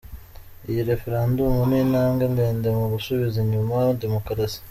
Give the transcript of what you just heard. Iyi Referandumu ni intambwe ndende mu gusubiza inyuma Demokarasi.